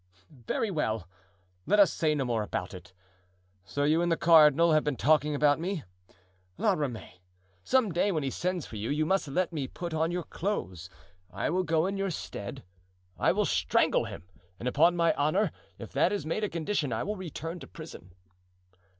"Very well, let us say no more about it. So you and the cardinal have been talking about me? La Ramee, some day when he sends for you, you must let me put on your clothes; I will go in your stead; I will strangle him, and upon my honor, if that is made a condition I will return to prison."